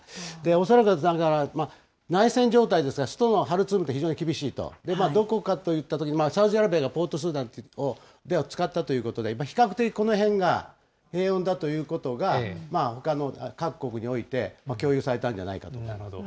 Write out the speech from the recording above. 恐らくだから、内戦状態ですが、首都のハルツームが非常に厳しいと、どこかといったときに、サウジアラビアがポートスーダンを使ったということで、比較的、この辺が平穏だということが、ほかの各国において共有されたんじゃななるほど。